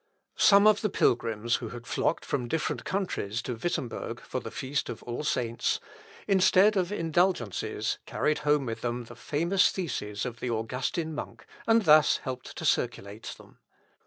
Some of the pilgrims, who had flocked from different countries to Wittemberg for the feast of All Saints, instead of indulgences carried home with them the famous theses of the Augustin monk, and thus helped to circulate them.